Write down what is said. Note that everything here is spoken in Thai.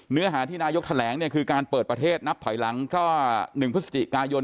เนื้อหาที่นายกแถลงเนี่ยคือการเปิดประเทศนับถอยหลังถ้า๑พฤศจิกายน